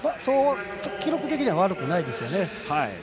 記録的には悪くないですね。